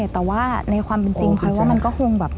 แต่ว่าในความเป็นจริงพลอยว่ามันก็คงแบบ